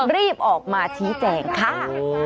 เรียบออกมาชี้แจ่งฆ่า